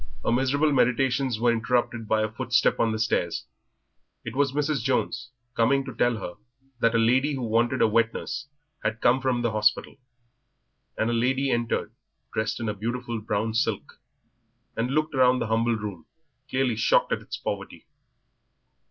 Her miserable meditations were interrupted by a footstep on the stairs. It was Mrs. Jones, coming to tell her that a lady who wanted a wet nurse had come from the hospital; and a lady entered dressed in a beautiful brown silk, and looked around the humble room, clearly shocked at its poverty.